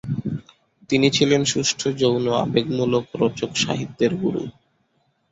তিনি ছিলেন সুষ্ঠ যৌন আবেগমূলক রোচক সাহিত্যের গুরু।